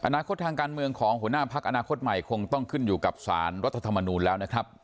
นาคตทางการเมืองของหัวหน้าพักอนาคตใหม่คงต้องขึ้นอยู่กับสารรัฐธรรมนูลแล้วนะครับ